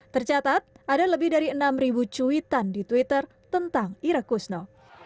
tercatat ada lebih dari enam cuitan di twitter tentang ira kusno